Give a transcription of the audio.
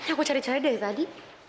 aku cari cari dari tadi